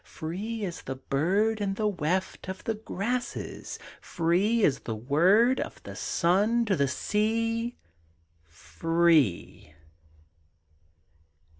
Free as the bird In the weft of the grasses! Free as the word Of the sun to the sea Free!